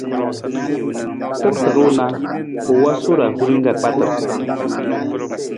Terata ruu na, u wosu ra hurin ka kpatar.